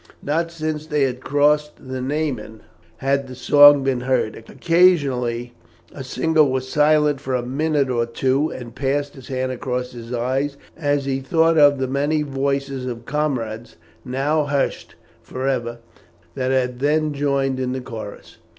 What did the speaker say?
Not since they had crossed the Niemen had the song been heard; occasionally a singer was silent for a minute or two, and passed his hand across his eyes as he thought of the many voices of comrades, now hushed for ever, that had then joined in the chorus.